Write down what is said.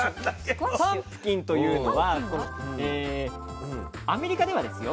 パンプキンというのはアメリカではですよ